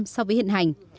so với hiện hành